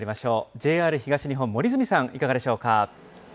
ＪＲ東日本、森住さん、いかがでしょうか。